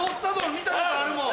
見たことあるもん。